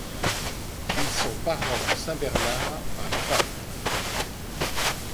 Ils sont parents de saint Bernard par les femmes.